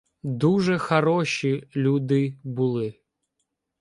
"Дуже хароші люди були"